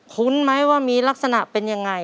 ุ้นไหมว่ามีลักษณะเป็นยังไง